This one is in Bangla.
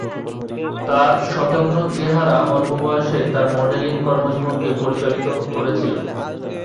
তার স্বতন্ত্র চেহারা অল্প বয়সেই তার মডেলিং কর্মজীবনকে পরিচালিত করেছিল।